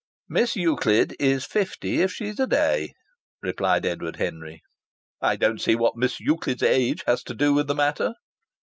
"Miss Euclid is fifty if she's a day," replied Edward Henry. "I don't see what Miss Euclid's age has to do with the matter."